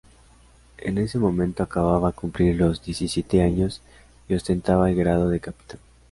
En ese momento acababa cumplir los diecisiete años y ostentaba el grado de capitán.